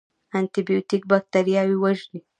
انټي بیوټیک بکتریاوې وژني